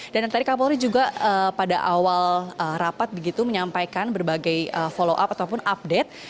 dan tadi kak polri juga pada awal rapat begitu menyampaikan berbagai follow up ataupun update